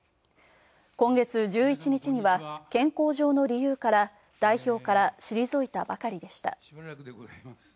今月１１日には健康上の理由から代表から退いたばかりでした。